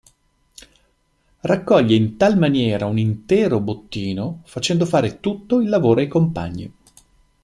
Raccoglie in tal maniera un intero bottino facendo fare tutto il lavoro ai compagni.